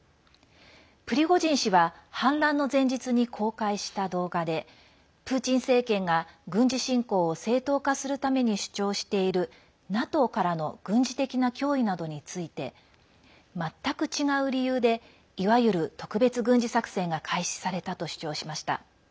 プリゴジン氏は反乱の前日に公開した動画でプーチン政権が軍事侵攻を正当化するために主張しているＮＡＴＯからの軍事的な脅威などについて全く違う理由でいわゆる特別軍事作戦が開始されたと主張しました。